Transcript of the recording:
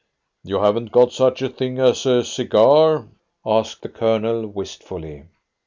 "You haven't got such a thing as a cigar?" asked the Colonel wistfully.